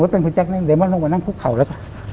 สมมติเป็นคุณแจ๊กนิ้งไดมอนตรงนั้งมานั่งครุกเข่าแล้ว